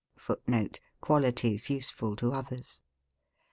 [Footnote: Qualities useful to others.